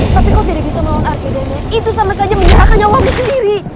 tapi kau tidak bisa melawan argedane itu sama saja menyerahkan nyawa aku sendiri